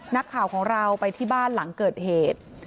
นักข่าวของเราไปที่บ้านหลังเกิดเหตุ